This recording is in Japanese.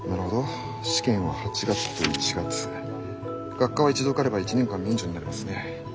学科は一度受かれば１年間免除になりますね。